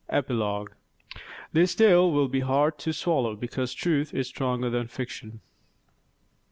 EPILOGUE This tale will be hard to swallow, because truth is stronger than fiction.